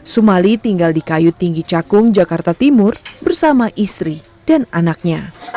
sumali tinggal di kayu tinggi cakung jakarta timur bersama istri dan anaknya